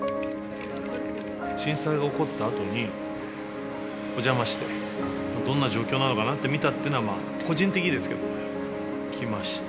震災が起こったあとに、お邪魔して、どんな状況なのかなと見たっていうのが、個人的にですけど、きました。